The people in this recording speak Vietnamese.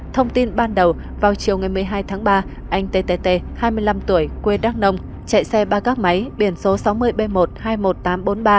thông tin ban đầu vào chiều ngày một mươi hai tháng ba anh tt hai mươi năm tuổi quê đắk nông chạy xe ba gác máy biển số sáu mươi b một hai mươi một nghìn tám trăm bốn mươi ba